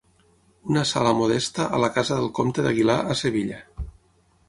Una sala modesta a la casa del comte d'Aguilar a Sevilla.